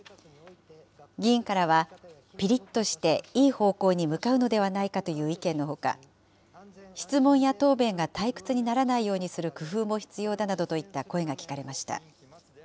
議員からは、ぴりっとしていい方向に向かうのではないかという意見のほか、質問や答弁が退屈にならないようにする工夫も必要だなどといった声も聞かれました。